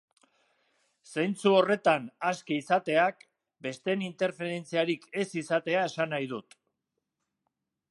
Zentzu horretan aske izateak besteen interferentziarik ez izatea esan nahi dut.